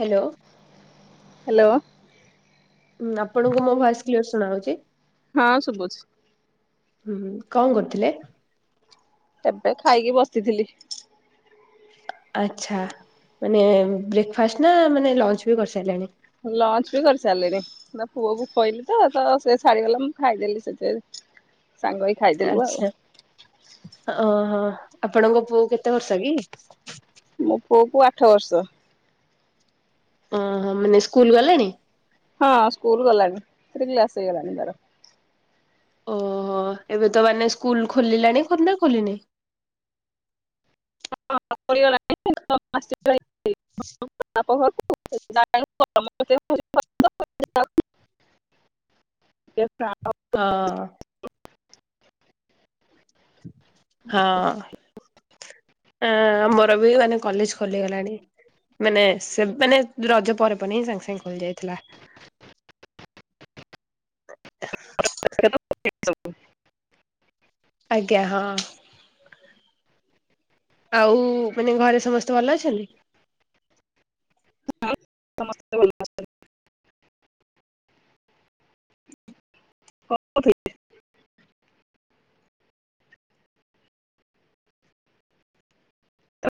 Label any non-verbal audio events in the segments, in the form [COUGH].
Hello hello. ଆପଣଙ୍କୁ ମୋ voice clear ଶୁଣା ହଉଛି? ହଁ ଶୁଭୁଛି। ହୁଁ କଣ କରୁଥିଲେ? ଏବେ ଖାଇକି ବସିଥିଲି। ଆଚ୍ଛା ମାନେ ବ୍ରେକପାଷ୍ଟ ନା ମାନେ ଲଞ୍ଚ ବି କରିସାରିଲେଣି? ଲଞ୍ଚ ବି କରିସାରିଲିଣି ନା ପୁଅକୁ ଖୋଇଲିି ତ ତ ସେ ଛାଡିଗଲା ମୁଁ ଖାଇଦେଲି ସେଥିରେ। ଆଛା ଓ ହୋ ଆପଣଙ୍କ ପୁଅ କେତେ ବର୍ଷ କି? ମୋ ପୁଅ କୁ ଆଠ ବର୍ଷ। ଓ ହ ମାନେ ସ୍କୁଲ ଗଲେଣି? ହଁ ସ୍କୁଲ ଗଲାଣି ଥ୍ରି କ୍ଲାସ ହେଇଗଲାଣି ତାର। ଓହୋ ଏବେ ତ ମାନେ ସ୍କୁଲ ଖୋଲିଲାଣି ଖନା ଖୋଲିନି? [UNINTELLIGIBLE] [UNINTELLIGIBLE] [INAUDIBLE] ହଁ। ହଁ ଆ ମୋର ବି ମାନେ କଲେଜ ଖୋଲିଗଲାଣି। ମାନେ ସେ ମାନେ ରଜ ପରେ ପ ହିଁ ସାଙ୍ଗେ ସାଙ୍ଗେ ଖୋଲି ଯାଇଥିଲା। [UNINTELLIGIBLE] ସବୁ ଆଜ୍ଞା ହଁ। ଆଉ ମାନେ ଘରେ ସମସ୍ତ ଭଲ ଅଛନ୍ତି? ହ ସମସ୍ତେ ଭଲ ଅଛନ୍ତି।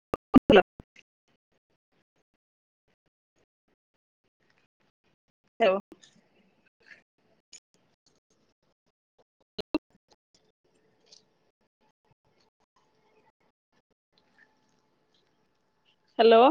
[INAUDIBLE] ହଉ। ହାଲୋ।